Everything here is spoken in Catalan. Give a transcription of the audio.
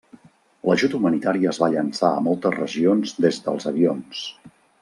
L'ajut humanitari es va llençar a moltes regions des dels avions.